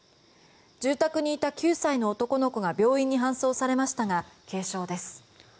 住宅にいた９歳の男の子が病院に搬送されましたが軽傷です。